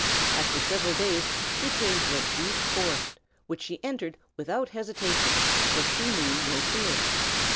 After several days she came to a deep forest, which she entered without hesitation, for she knew no fear.